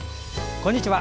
こんにちは。